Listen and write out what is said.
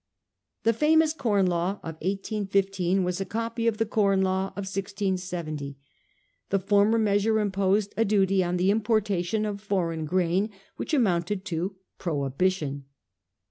The famous Corn Law of 1815 was a copy of the Com Law of 1670. The former measure imposed a duty on the importation of foreign grain which amounted to prohibition.